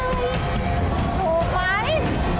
ถูกไหม